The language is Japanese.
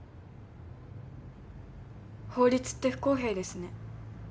法律って不公平ですね。